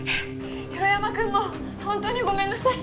広山くんも本当にごめんなさい。